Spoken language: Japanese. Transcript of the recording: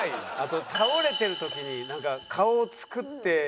あと倒れてる時になんか顔を作って。